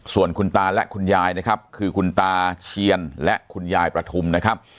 ส่วนคุณตาและคุณยายนะครับคือคุณตาเชียนและคุณยายประทุมนะครับ